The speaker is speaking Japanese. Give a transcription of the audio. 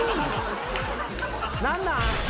何なん？